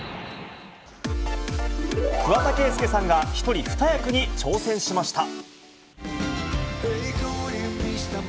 桑田佳祐さんが一人二役に挑戦しました。